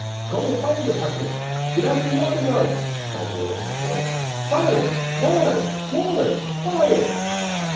"Call the fire department! Get out the water bugs!" cried the little ant boy. "Fire! Water! Water! Fire!"